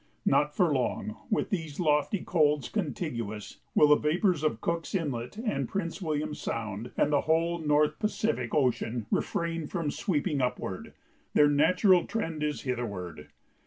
Not for long, with these lofty colds contiguous, will the vapors of Cook's Inlet and Prince William Sound and the whole North Pacific Ocean refrain from sweeping upward; their natural trend is hitherward.